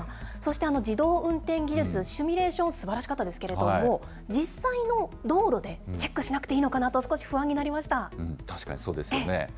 そして自動運転技術、シミュレーション、すばらしかったですけれども、実際の道路でチェックしなくていいのかなと少し不安に確かにそうですよね。